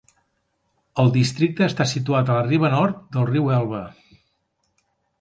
El districte està situat a la riba nord del riu Elba.